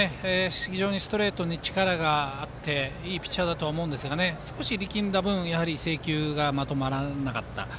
非常にストレートに力があっていいピッチャーだと思うんですが少し力んだ分制球がまとまらなかった。